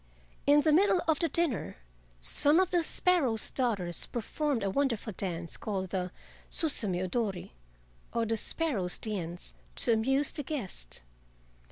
In the middle of the dinner some of the sparrow's daughters performed a wonderful dance, called the "suzume odori" or the "Sparrow's dance," to amuse the guest.